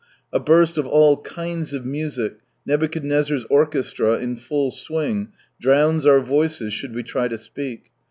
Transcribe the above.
A burst of "all kinds of music," Nebuchad nezzar's orchestra in full swing, drowns our voices should we try to speak.